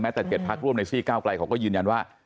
แม้แต่๗พักร่วมในสี่ก้าวกลายเขาก็ยืนยันว่า